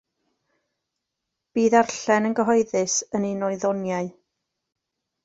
Bu ddarllen yn gyhoeddus yn un o'i ddoniau.